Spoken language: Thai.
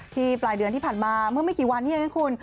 ปลายเดือนที่ผ่านมาเมื่อไม่กี่วันนี้เองนะคุณ